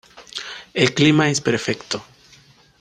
El clima es perfecto.